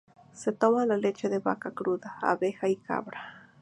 Se toma la leche de vaca cruda, oveja y cabra.